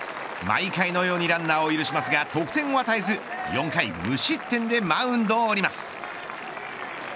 毎回のようにランナーを許しますが、得点を与えず４回無失点でマウンドを降ります。